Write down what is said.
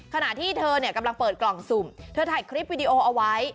ขณะที่เธอเนี่ยกำลังเปิดกล่องสุ่มเธอถ่ายคลิปวิดีโอเอาไว้